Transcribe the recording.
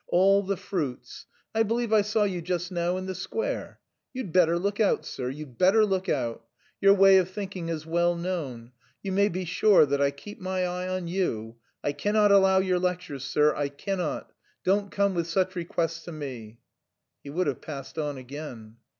all the fruits.... I believe I saw you just now in the square. You'd better look out, sir, you'd better look out; your way of thinking is well known. You may be sure that I keep my eye on you. I cannot allow your lectures, sir, I cannot. Don't come with such requests to me." He would have passed on again.